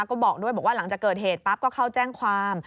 ก็บอกด้วยบอกว่าหลังจากเกิดเหตุปั๊บก็เข้าแจ้งความ